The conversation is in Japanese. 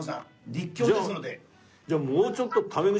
立教ですので。